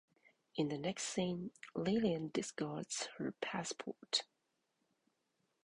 In the next scene Lillian discards her passport.